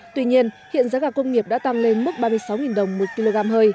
tuy nhiên hiện giá gà công nghiệp đã tăng lên mức ba mươi sáu đồng một kg hơi